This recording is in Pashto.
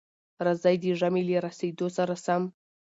راځئ، د ژمي له را رسېدو سره سم،